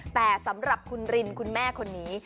แต่สำหรับคุณรินคุณแม่คนนี้